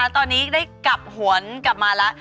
ตอนนี้ได้กลับหวนกลับมาแล้ว